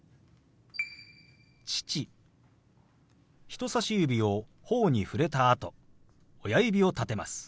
人さし指をほおに触れたあと親指を立てます。